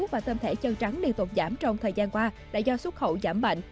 và tâm thể chân trắng liên tục giảm trong thời gian qua là do xuất khẩu giảm mạnh